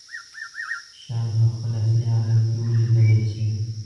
شيان په خپل اصلي حالت کې ولیدلی شي.